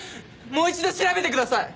もう一度調べてください！